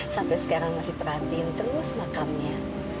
sampai sekarang masih perhatiin terus makamnya